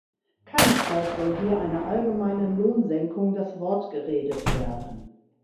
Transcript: Keinesfalls soll hier einer allgemeinen Lohnsenkung das Wort geredet werden.